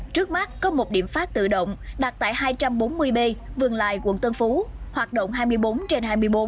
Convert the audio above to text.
trước mắt có một điểm phát tự động đặt tại hai trăm bốn mươi b vườn lài quận tân phú hoạt động hai mươi bốn trên hai mươi bốn